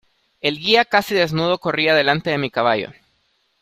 el guía, casi desnudo , corría delante de mi caballo.